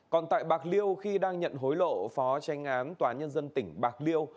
còn tại bạc liêu khi đang nhận hối lộ phó tranh án tòa nhân dân tỉnh bạc liêu